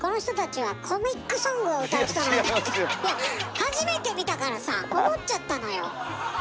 初めて見たからさ思っちゃったのよ。